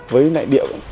với lại điệu